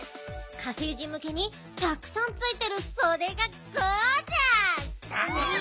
火星人むけにたくさんついてるそでがゴージャス！